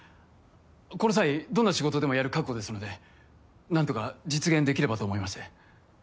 この際どんな仕事でもやる覚悟ですので何とか実現できればと思いまして。